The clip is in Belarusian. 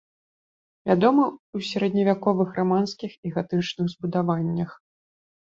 Вядомы ў сярэдневяковых раманскіх і гатычных збудаваннях.